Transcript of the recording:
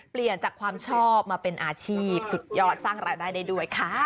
เปลี่ยนจากความชอบมาเป็นอาชีพสุดยอดสร้างรายได้ได้ด้วยค่ะ